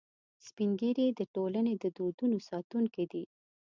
سپین ږیری د ټولنې د دودونو ساتونکي دي